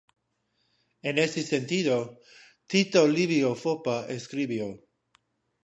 En ese sentido Tito Livio Foppa escribió